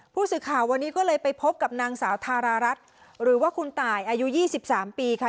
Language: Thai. ผู้สื่อข่าววันนี้ก็เลยไปพบกับนางสาวทารารัฐหรือว่าคุณตายอายุ๒๓ปีค่ะ